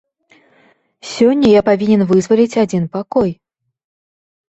Сёння я павінен вызваліць адзін пакой.